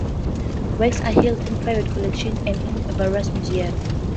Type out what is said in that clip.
Works are held in private collections and in various museums.